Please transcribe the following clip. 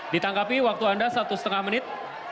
ditangkapi waktu anda satu setengah menit